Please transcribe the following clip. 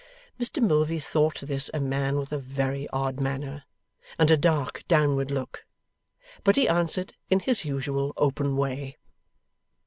Mr Milvey thought this a man with a very odd manner, and a dark downward look; but he answered in his usual open way.